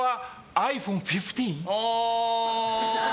ｉＰｈｏｎｅ１５！